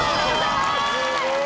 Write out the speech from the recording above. すごい！